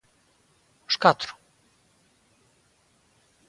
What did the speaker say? _¿Os catro?